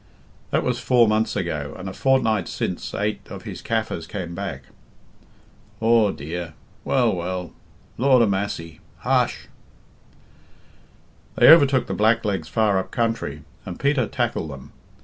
"'That was four months ago, and a fortnight since eight of his Kaffirs came back.'" "Aw dear!" "Well, well!" "Lord a massy!" "Hush!" "'They overtook the blacklegs far up country, and Peter tackled them.